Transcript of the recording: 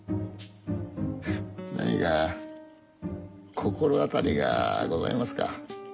何か心当たりがございますか？